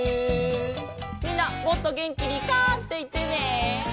みんなもっとげんきに「カァ」っていってね。